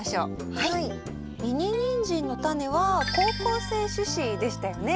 ミニニンジンのタネは好光性種子でしたよね？